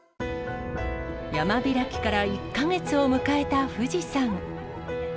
山開きから１か月を迎えた富士山。